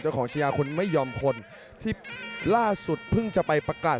ของชายาคุณไม่ยอมคนที่ล่าสุดเพิ่งจะไปประกาศ